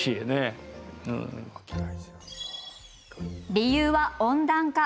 理由は温暖化。